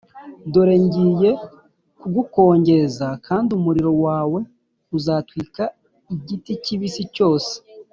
Dore ngiye kugukongeza, kandi umuriro wawe uzatwika igiti kibisi cyose